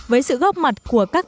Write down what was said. với sự góp mặt của các biến chứng